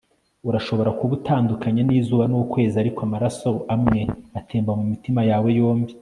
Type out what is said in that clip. urashobora kuba utandukanye n'izuba n'ukwezi, ariko amaraso amwe atemba mumitima yawe yombi